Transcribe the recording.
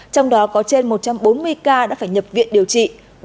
trong đó có trên một trăm bốn mươi ca đã phải nhập viện điều trị